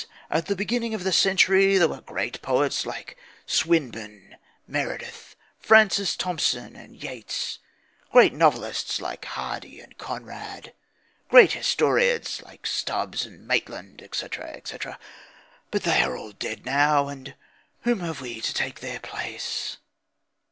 At the beginning of the century there were great poets like Swinburne, Meredith, Francis Thompson, and Yeats. Great novelists like Hardy and Conrad. Great historians like Stubbs and Maitland, etc., etc. But they are all dead now, and whom have we to take their place?"